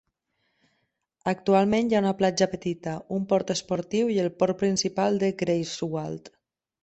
Actualment hi ha una platja petita, un port esportiu i el port principal de Greifswald.